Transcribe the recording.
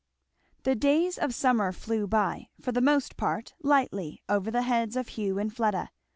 The days of summer flew by, for the most part lightly, over the heads of Hugh and Fleda.